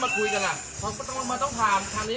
กระตาดร้อนอะไร